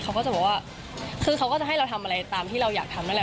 เขาก็จะบอกว่าคือเขาก็จะให้เราทำอะไรตามที่เราอยากทำนั่นแหละ